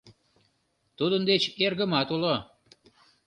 Тудын деч эргымат уло.